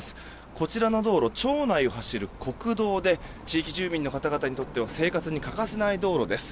こちらの道路町内を走る国道で地域住民の方々にとっては生活に欠かせない道路です。